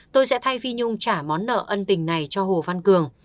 tôi sẽ thay phi nhung trả món nợ ân tình này cho hồ văn cường